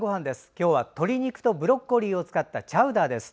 今日は、鶏肉とブロッコリーを使ったチャウダーです。